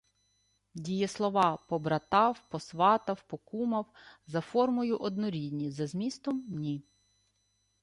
Дієслова "побратав, посватав, покумав" за формою — однорідні, за змістом — ні.